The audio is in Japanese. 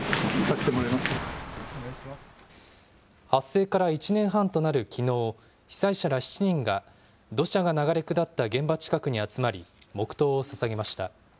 発生から１年半となるきのう、被災者ら７人が、土砂が流れ下った現場近くに集まり、黙とうをささげました。